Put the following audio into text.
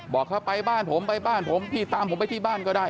บอกเขาไปบ้านผมไปบ้านผมพี่ตามผมไปที่บ้านก็ได้